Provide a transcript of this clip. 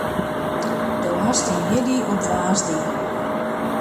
Do hast dyn jierdei op woansdei.